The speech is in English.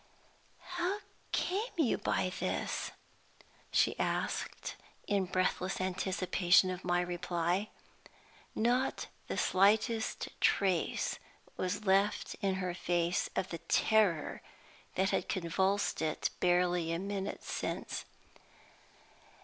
"How came you by this?" she asked, in breathless anticipation of my reply. Not the slightest trace was left in her face of the terror that had convulsed it barely a minute since!